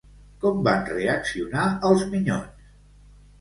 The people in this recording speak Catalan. Com van reaccionar els minyons?